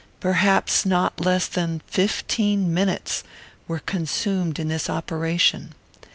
Perhaps not less than fifteen minutes were consumed in this operation.